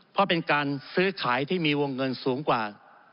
เพราะเป็นการซื้อขายที่มีวงเงินสูงกว่า